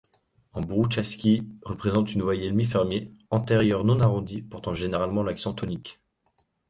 En bourouchaski, représente une voyelle mi-fermée antérieure non arrondie portant généralement l’accent tonique.